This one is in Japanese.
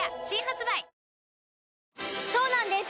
そうなんです